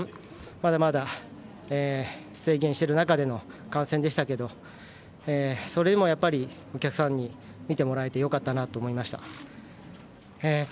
まだまだ制限している中での観戦でしたけどそれでもお客さんに見てもらえてよかったなと思いました。